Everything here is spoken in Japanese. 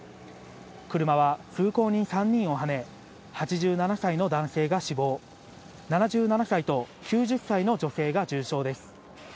車は通行人３人をはね、８７歳の男性が死亡、７７歳と９０歳の女性が重傷です。